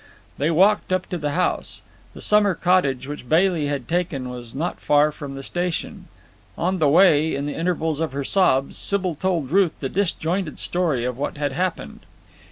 They walked up to the house. The summer cottage which Bailey had taken was not far from the station. On the way, in the intervals of her sobs, Sybil told Ruth the disjointed story of what had happened.